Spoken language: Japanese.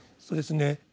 そうですね。